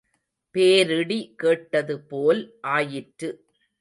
பேரிடி கேட்டதுபோல் ஆயிற்று.